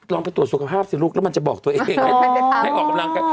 ไปตรวจสุขภาพสิลูกแล้วมันจะบอกตัวเองให้ออกกำลังกาย